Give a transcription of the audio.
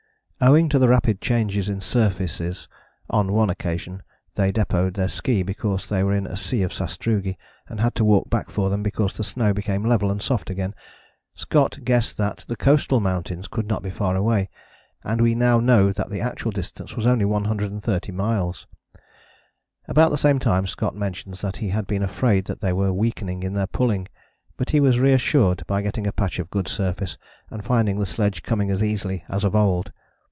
Owing to the rapid changes in surfaces (on one occasion they depôted their ski because they were in a sea of sastrugi, and had to walk back for them because the snow became level and soft again) Scott guessed that the coastal mountains could not be far away, and we now know that the actual distance was only 130 miles. About the same time Scott mentions that he had been afraid that they were weakening in their pulling, but he was reassured by getting a patch of good surface and finding the sledge coming as easily as of old.